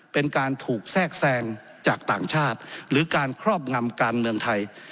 เป็นการถูกแทรกแทรงจากต่างชาติหรือการครอบงำการเมืองไทย